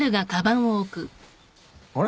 あれ？